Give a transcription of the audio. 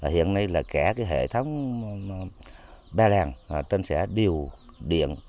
hiện nay là cả hệ thống ba làng trên xã điều điện